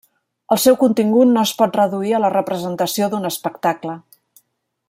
El seu contingut no es pot reduir a la representació d'un espectacle.